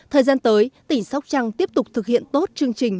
thời gian tới tỉnh sóc trăng tiếp tục thực hiện tốt chương trình